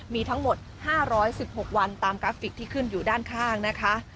มีทั้งหมด๕๑๖วันตามกราฟิกที่ขึ้นอยู่ด้านข้างนะคะ